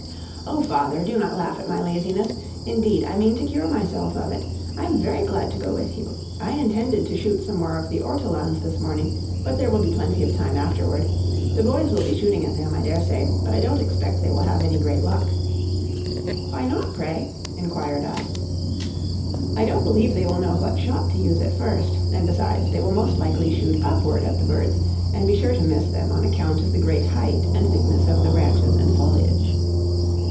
"Oh, father, do not laugh at my laziness! Indeed, I mean to cure myself of it. I am very glad to go with you. I intended to shoot some more of the ortolans this morning, but there will be plenty of time afterward. The boys will be shooting at them, I daresay, but I don't expect they will have any great luck." "Why not, pray?" inquired I. "I don't believe they will know what shot to use at first, and, besides, they will most likely shoot upward at the birds and be sure to miss them, on account of the great height and thickness of the branches and foliage."